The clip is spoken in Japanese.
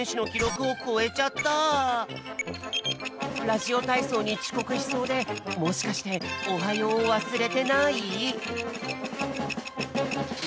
ラジオたいそうにちこくしそうでもしかして「おはよう」をわすれてない？